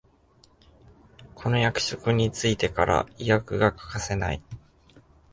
この役職についてから胃薬が欠かせない